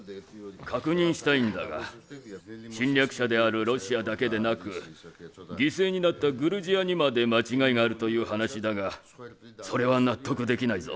確認したいんだが侵略者であるロシアだけでなく犠牲になったグルジアにまで間違いがあるという話だがそれは納得できないぞ。